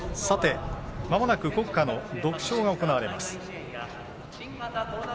まもなく国歌の独唱が行われます。